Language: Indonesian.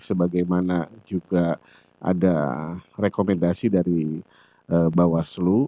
sebagaimana juga ada rekomendasi dari bawaslu